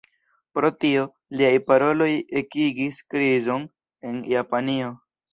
Pro tio, liaj paroloj ekigis krizon en Japanio.